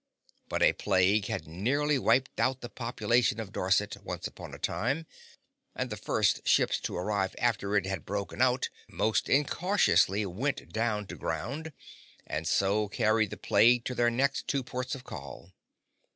But a plague had nearly wiped out the population of Dorset, once upon a time, and the first ships to arrive after it had broken out most incautiously went down to ground, and so carried the plague to their next two ports of call.